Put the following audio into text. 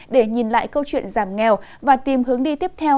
để nhìn lại câu chuyện giảm nghèo và tìm hướng đi tiếp theo